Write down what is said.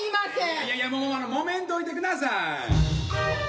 いやいやもうあのもめんといてください。